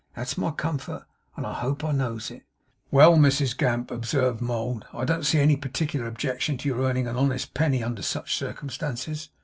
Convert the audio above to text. That is my comfort, and I hope I knows it.' 'Well, Mrs Gamp,' observed Mould, 'I don't see any particular objection to your earning an honest penny under such circumstances.